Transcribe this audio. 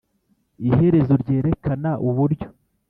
iherezo ryerekana uburyo